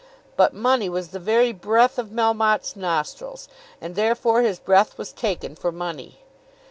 But money was the very breath of Melmotte's nostrils, and therefore his breath was taken for money.